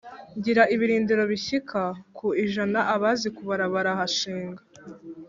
Ngira ibilindiro bishyika ku ijana, abazi kubara barahashinga.